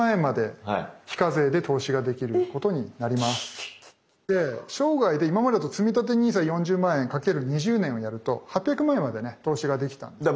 え⁉チャーンス！で生涯で今までだとつみたてＮＩＳＡ４０万円×２０年をやると８００万円までね投資ができたんですけど。